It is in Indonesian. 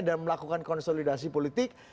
dan melakukan konsolidasi politik